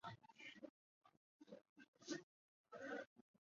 每个区都设有专门的居住区以及提供营养补给等基础服务的区域。